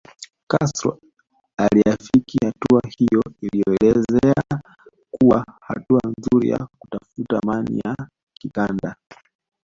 Castro aliafiki hatua hiyo aliyoielezea kuwa hatua nzuri ya kutafuta mani ya kikanda